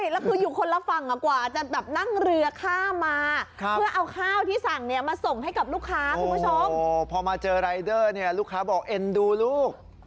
ลูกค้าบอกเอ็นดูลูก